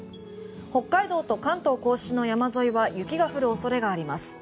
北海道と関東・甲信の山沿いは雪が降る恐れがあります。